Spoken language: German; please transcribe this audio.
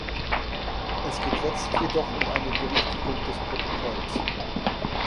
Es geht jetzt jedoch um eine Berichtigung des Protokolls.